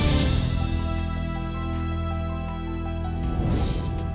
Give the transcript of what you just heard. ขอบคุณครับ